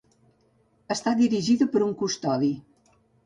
Està dirigida per un custodi.